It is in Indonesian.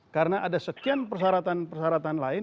karena ada sekian persyaratan persyaratan lain